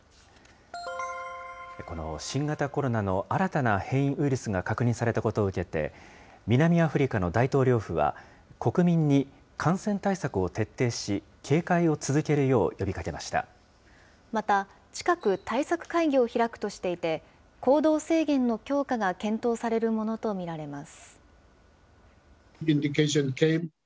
この新型コロナの新たな変異ウイルスが確認されたことを受けて、南アフリカの大統領府は、国民に感染対策を徹底し、警戒を続けるまた、近く、対策会議を開くとしていて、行動制限の強化が検討されるものと見られます。